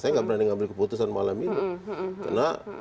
saya nggak berani ngambil keputusan malam ini